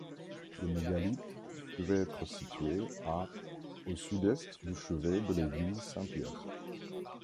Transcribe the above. Le mégalithe devait être situé à au sud-est du chevet de l’église Saint-Pierre.